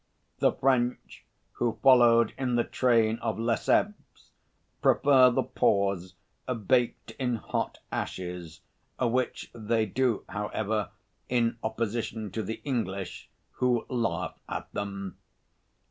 The French who followed in the train of Lesseps prefer the paws baked in hot ashes, which they do, however, in opposition to the English, who laugh at them.